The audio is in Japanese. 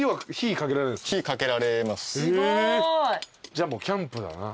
じゃあもうキャンプだな。